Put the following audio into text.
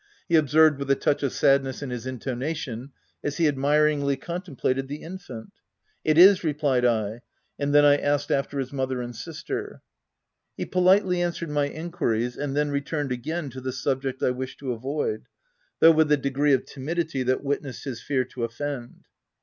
he observed with a touch of sadness in his in tonation, as he admiringly contemplated the infant. "It is/' replied I ; and then I asked after his mother and sister. He politely answered my enquiries, and then returned again to the subject I wished to avoid ; though with a degree of timidity that witnessed his fear to otFend.